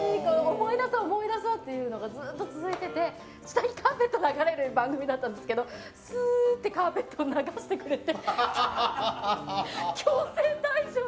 思い出そう思い出そうっていうのがずっと続いてて下のカーペットが流れる番組だったんですけどスーってカーペットを流してくれて。